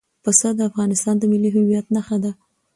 پسه د افغانستان د ملي هویت نښه ده.